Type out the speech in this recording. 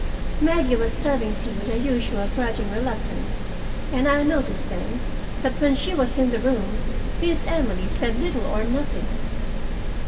Maggie was serving tea with her usual grudging reluctance, and I noticed then that when she was in the room Miss Emily said little or nothing.